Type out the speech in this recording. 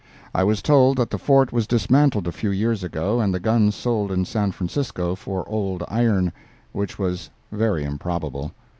I was told that the fort was dismantled a few years ago, and the guns sold in San Francisco for old iron—which was very improbable.